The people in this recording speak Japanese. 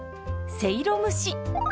せいろ蒸し。